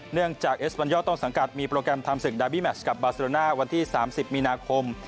เนื่องจากเอสวันยอร์ต้นสังกัดมีโปรแกรมทำศึกดาบี้แมชกับบาเซโรน่าวันที่๓๐มีนาคม